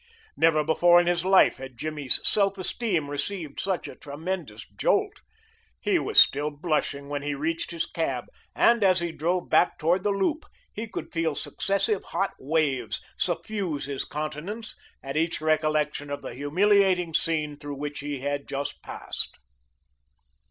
Never before in his life had Jimmy's self esteem received such a tremendous jolt. He was still blushing when he reached his cab, and as he drove back toward the Loop he could feel successive hot waves suffuse his countenance at each recollection of the humiliating scene through which he had just passed.